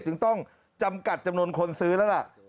จึงต้องจำกัดจำนวนคนซื้อแล้วล่ะ